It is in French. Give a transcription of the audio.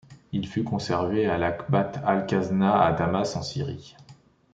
Il fut conservé à la Qubbat al-Khazna à Damas en Syrie.